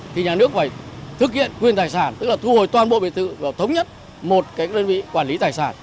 thì nhà nước phải thực hiện quyền tài sản tức là thu hồi toàn bộ biệt thự và thống nhất một cái đơn vị quản lý tài sản